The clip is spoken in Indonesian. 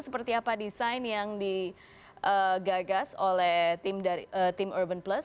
seperti apa desain yang digagas oleh tim urban plus